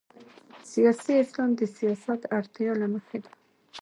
سیاسي اسلام د سیاست اړتیا له مخې ده.